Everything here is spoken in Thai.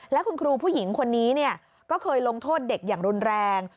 และคุณครูผู้หญิงคนนี้ก็เคยลงโทษเด็กอย่างรุนแรง